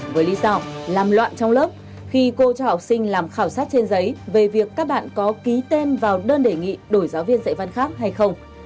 với lý do làm loạn trong lớp khi cô cho học sinh làm khảo sát trên giấy về việc các bạn có ký tên vào đơn đề nghị đổi giáo viên dạy văn khác hay không